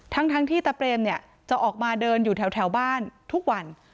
ทั้งที่ตะเปรมเนี่ยจะออกมาเดินอยู่แถวบ้านทุกวัน